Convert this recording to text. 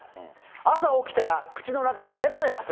朝起きたら口の中がねばねばする。